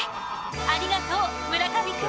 ありがとう村上くん。